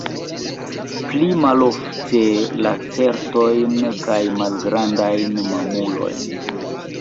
Pli malofte lacertojn kaj malgrandajn mamulojn.